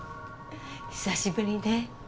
久しぶりね